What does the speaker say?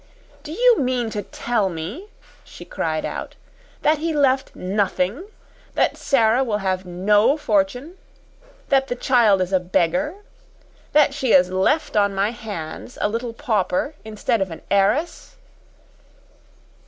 "Do you mean to tell me," she cried out, "that he left NOTHING! That Sara will have no fortune! That the child is a beggar! That she is left on my hands a little pauper instead of an heiress?"